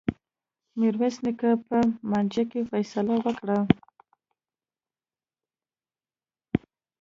میرويس نیکه په مانجه کي فيصله وکړه.